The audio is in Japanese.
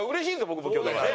僕も今日だから。